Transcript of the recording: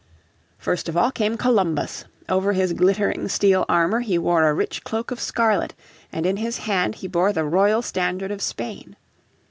First of all came Columbus; over his glittering steel armour he wore a rich cloak of scarlet, and in his hand he bore the Royal Standard of Spain.